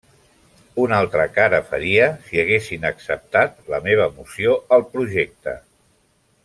Una altra cara faria si haguessin acceptat la meva moció al projecte.